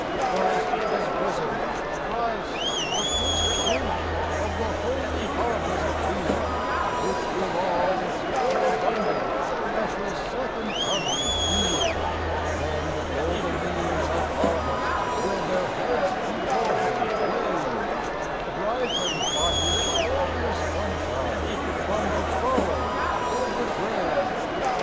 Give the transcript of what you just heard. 127 Christ is risen, Christ, the first fruits Of the holy harvest field, Which will all its full abundance At His second coming yield : Then the golden ears of harvest Will their heads before Him wave, Ripened by His glorious sunshine, From the furrows of the grave.